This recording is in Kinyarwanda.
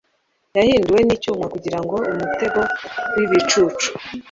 Yahinduwe nicyuma kugirango umutego wibicucu